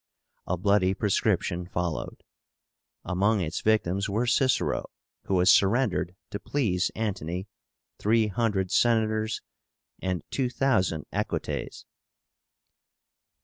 A bloody prescription followed. Among its victims were CICERO, who was surrendered to please Antony, 300 Senators, and 2,000 Equites.